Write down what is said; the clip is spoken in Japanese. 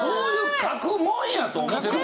書くもんやと思ってたもんな。